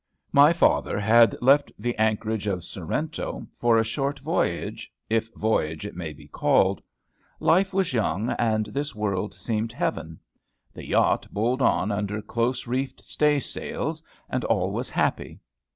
My father had left the anchorage of Sorrento for a short voyage, if voyage it may be called. Life was young, and this world seemed heaven. The yacht bowled on under close reefed stay sails, and all was happy.